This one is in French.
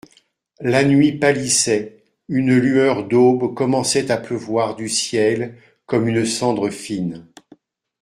La nuit pâlissait, une lueur d'aube commençait à pleuvoir du ciel comme une cendre fine.